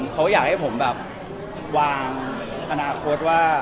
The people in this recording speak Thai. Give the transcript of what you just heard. เขาอยากให้ผมแบบวางอนาคตว่า